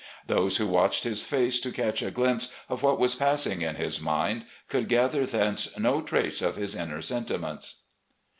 Those who watched his face to catch a glimpse of what was passing in his mind could gather thence no trace of his inner sentiments."